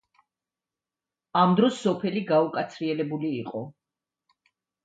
ამ დროს სოფელი გაუკაცრიელებული იყო.